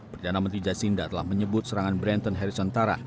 perdana menteri jasinda telah menyebut serangan brenton harrison taran